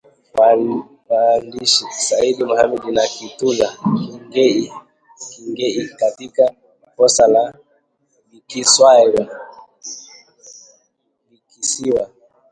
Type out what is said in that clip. Waandishi Said Mohamed na Kitula King’ei katika Posa za Bikisiwa